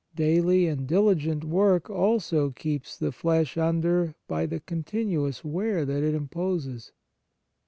Daily and diligent work also keeps the flesh under by the con tinuous wear that it imposes.